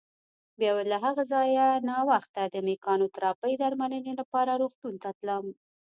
بیا به له هغه ځایه ناوخته د مېکانوتراپۍ درملنې لپاره روغتون ته تلم.